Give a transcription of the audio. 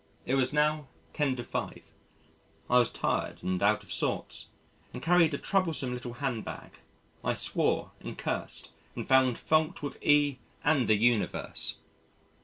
It was now ten to five. I was tired and out of sorts, and carried a troublesome little handbag. I swore and cursed and found fault with E and the Universe.